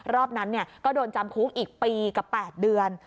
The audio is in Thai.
รอบนั้นก็โดนจำคุกอีกปีกับ๘เดือน